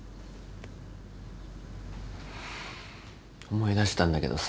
思い出したんだけどさ